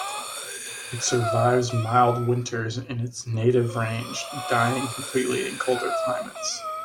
It survives mild winters in its native range, dying completely in colder climates.